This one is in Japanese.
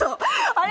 あれ！